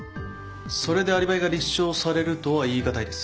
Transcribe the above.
それでアリバイが立証されるとは言い難いです。